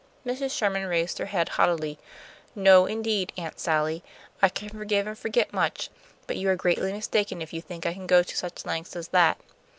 Mrs. Sherman raised her head haughtily. "No, indeed, Aunt Sally. I can forgive and forget much, but you are greatly mistaken if you think I can go to such lengths as that.